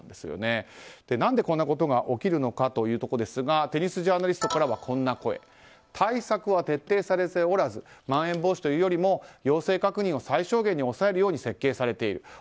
どうしてこんなことが起きるのかということですがテニスジャーナリストからは対策が徹底されておらずまん延防止というよりも陽性確認を最小限に抑えるように設計されている。